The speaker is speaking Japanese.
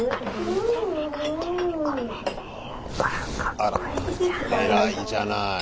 あら偉いじゃない。